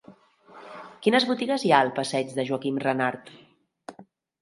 Quines botigues hi ha al passeig de Joaquim Renart?